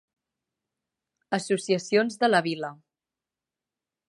Associacions de la vila.